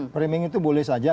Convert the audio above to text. framing itu boleh saja